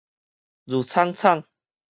挐氅氅